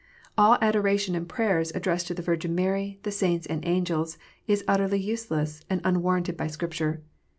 All adoration and prayers addressed to the Virgin Mary, the saints and angels, is utterly useless, and unwarranted by Scripture.